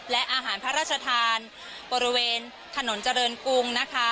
และอาหารพระราชทานบริเวณถนนเจริญกรุงนะคะ